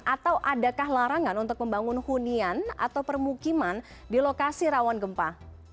atau adakah larangan untuk membangun hunian atau permukiman di lokasi rawan gempa